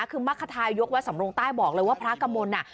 คือมัฆกะทายกแสมรงค์ใต้บอกเลยว่าพราสกรรมดิ์น่ะ